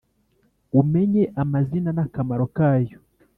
umenye amazina n akamaro kayo